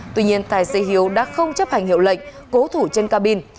tuy nhiên tài xế hiếu đã không chấp hành hiệu lệnh cố thủ trên cabin